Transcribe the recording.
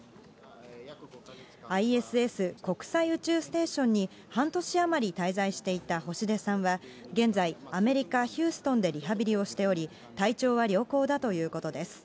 ＩＳＳ・国際宇宙ステーションに半年余り滞在していた星出さんは、現在、アメリカ・ヒューストンでリハビリをしており、体調は良好だということです。